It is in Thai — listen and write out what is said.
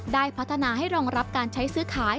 ได้พัฒนาให้รองรับการใช้ซื้อขาย